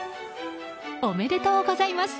おめでとうございます